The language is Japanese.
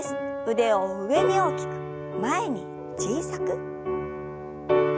腕を上に大きく前に小さく。